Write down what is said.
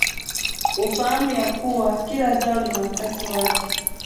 ufaham yakua kila zao lina wakati wake